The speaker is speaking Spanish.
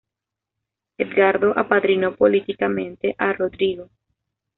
Edgardo apadrinó políticamente a Rodrigo.